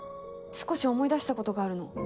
少し思い出した事があるの。